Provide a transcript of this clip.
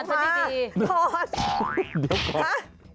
เดี๋ยวก่อน